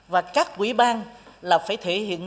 và các ủy ban là phải thể hiện